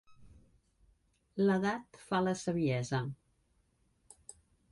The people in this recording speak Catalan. L'edat fa la saviesa.